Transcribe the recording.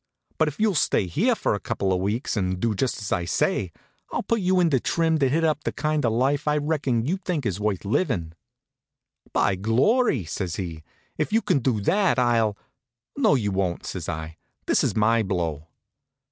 But if you'll stay here for a couple of weeks and do just as I say, I'll put you in trim to hit up the kind of life I reckon you think is worth livin'. "By glory!" says he, "if you can do that I'll " "No you won't," say I. "This is my blow."